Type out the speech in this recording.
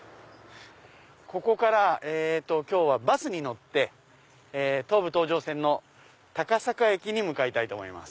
ここから今日はバスに乗って東武東上線の高坂駅に向かいたいと思います。